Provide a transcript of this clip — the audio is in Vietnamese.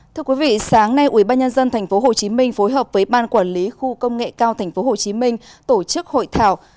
thưa quý vị sáng nay ubnd tp hcm phối hợp với ban quản lý khu công nghệ cao tp hcm tổ chức hội thảo